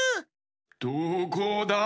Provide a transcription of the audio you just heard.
・どこだ？